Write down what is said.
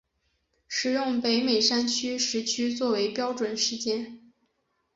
使用北美山区时区作为标准时间。